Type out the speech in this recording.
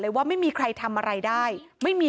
แต่เธอก็ไม่ละความพยายาม